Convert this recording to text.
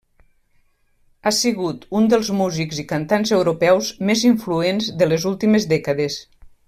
Ha sigut un dels músics i cantants europeus més influents de les últimes dècades.